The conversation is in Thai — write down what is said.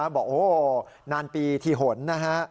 บอกโอ้นานปีทีหนนะฮะ